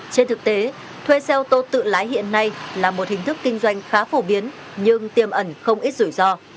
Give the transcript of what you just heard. trên thực tế thuê xe ô tô tự lái hiện nay là một hình thức kinh doanh khá phổ biến nhưng tiêm ẩn không ít rủi ro